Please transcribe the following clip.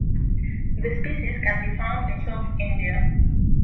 This species can be found in South India.